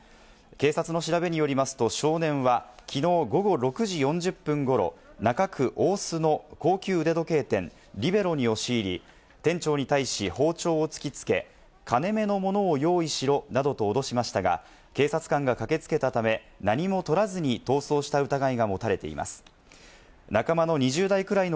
警察の調べによりますと少年は、きのう午後６時４０分ごろ、中区大須の高級時計店・ＲＩＢＥＲＯに押し入り、店長に対し包丁を突きつけ、金目のものを用意しろなどと脅しましたが、警察官が駆け付けたため何も取らずに逃走した疑いが持たれています。